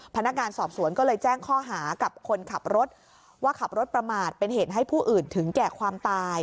พนักงานสอบสวนก็เลยแจ้งข้อหากับคนขับรถว่าขับรถประมาทเป็นเหตุให้ผู้อื่นถึงแก่ความตาย